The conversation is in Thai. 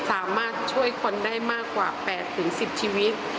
สามารถช่วยคนได้มากกว่า๘๑๐ชีวิต